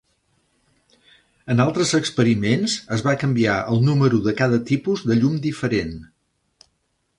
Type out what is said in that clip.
En altres experiments, es va canviar el número de cada tipus de llum diferent.